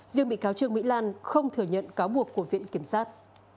riêng bị cáo trương mỹ lan không thừa nhận cáo buộc của viện kiểm sát